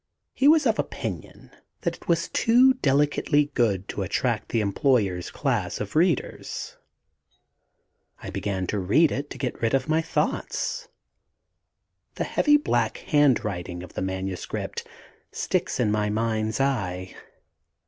He was of opinion that it was too delicately good to attract his employer's class of readers. I began to read it to get rid of my thoughts. The heavy black handwriting of the manuscript sticks in my mind's eye.